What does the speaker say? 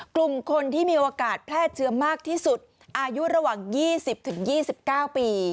กลุ่มคนที่มีโอกาสแพร่เชื้อมากที่สุดอายุระหว่าง๒๐๒๙ปี